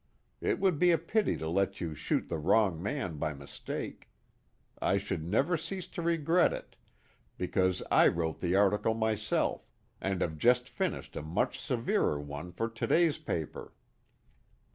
It would be a pity to let you shoot the wrong man by mistake. I should never cease to regret it, because I wrote the article myself, and have just finished a much severer one for to day's paper."